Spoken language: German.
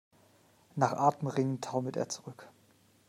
Nach Atem ringend taumelt er zurück.